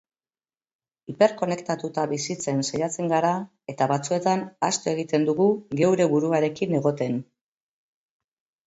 Hiperkonektatuta bizitzen saiatzen gara, eta batzuetan ahaztu egiten dugu geure buruarekin egoten.